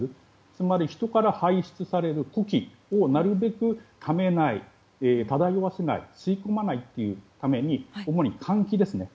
つまり、人から排出される呼気をなるべくためない、漂わせない吸い込まないというために主に換気ですね。